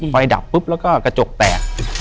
ดับปุ๊บแล้วก็กระจกแตก